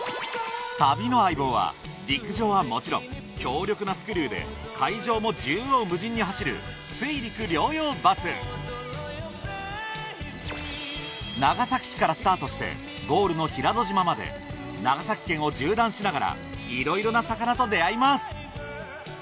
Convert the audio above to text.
旅の相棒は陸上はもちろん強力なスクリューで海上も縦横無尽に走る水陸両用バス長崎市からスタートしてゴールの平戸島まで長崎県を縦断しながらいろいろな魚と出会います